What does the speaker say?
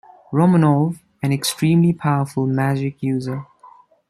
Romanov, an extremely powerful magic user.